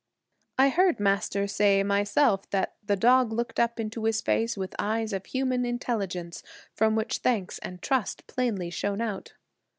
I heard Master say myself that that dog looked up into his face with eyes of human intelligence, from which thanks and trust plainly shone out.